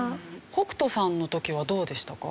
北斗さんの時はどうでしたか？